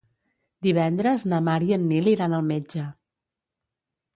Divendres na Mar i en Nil iran al metge.